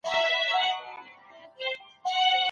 د شپې تر ناوخته کار کول زما صحت خرابوي.